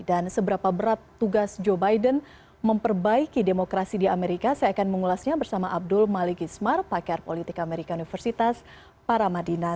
dan seberapa berat tugas joe biden memperbaiki demokrasi di amerika saya akan mengulasnya bersama abdul malik ismar pakar politik amerika universitas para madinah